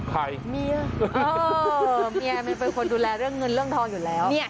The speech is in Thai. หมีย่าที่เป็นคนดูแลเรื่องเงินณความทดงอื่นร่างทองอยู่แล้ว